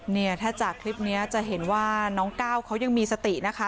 เนี่ยถ้าจากคลิปนี้จะเห็นว่าน้องก้าวเขายังมีสตินะคะ